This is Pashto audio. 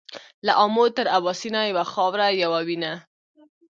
له امو تر اباسينه يوه خاوره يوه وينه.